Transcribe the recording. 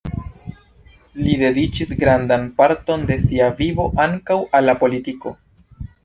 Li dediĉis grandan parton de sia vivo ankaŭ al la politiko.